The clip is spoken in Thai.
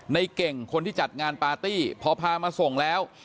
ในเก่งคนที่จัดงานปาร์ตี้พอพามาส่งแล้ว